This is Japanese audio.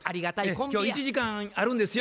「今日１時間あるんですよ」。